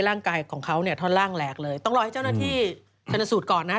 ซึ่งตอน๕โมง๔๕นะฮะทางหน่วยซิวได้มีการยุติการค้นหาที่